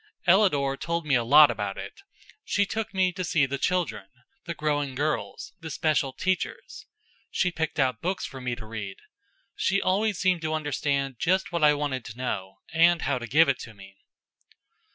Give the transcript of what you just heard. Ellador told me a lot about it. She took me to see the children, the growing girls, the special teachers. She picked out books for me to read. She always seemed to understand just what I wanted to know, and how to give it to me.